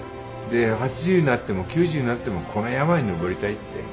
で８０になっても９０になってもこの山に登りたいって。